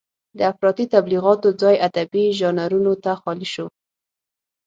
د افراطي تبليغاتو ځای ادبي ژانرونو ته خالي شو.